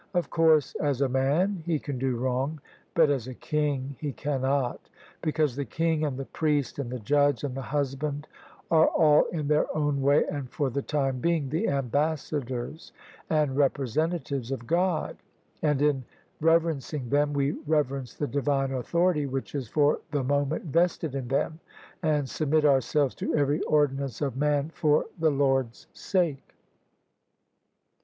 Of course as a man he can do wrong, but as a king he cannot: because the king and the priest and the judge and the hus band are all — in their own way and for the time being — the ambassadors and representatives of God: and in rever encing them we reverence the Divine authority which is for the moment vested in them and submit ourselves to every ordinance of man for the Lord's sake."